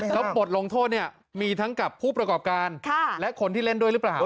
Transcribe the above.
แล้วบทลงโทษเนี่ยมีทั้งกับผู้ประกอบการและคนที่เล่นด้วยหรือเปล่า